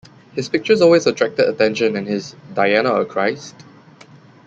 His pictures always attracted attention and his 'Diana or Christ?